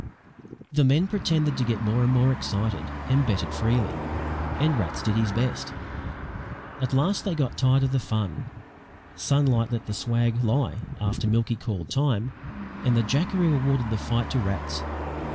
The men pretended to get more and more excited, and betted freely; and Rats did his best. At last they got tired of the fun, Sunlight let the swag lie after Milky called time, and the jackaroo awarded the fight to Rats.